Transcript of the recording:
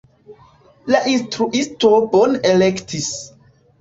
La instruisto bone elektis.